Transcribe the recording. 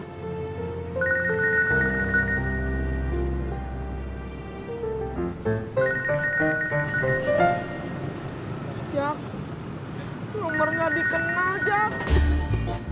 jack nomernya dikenal jack